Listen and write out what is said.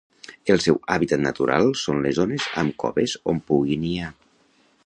El seu hàbitat natural són les zones amb coves on pugui niar.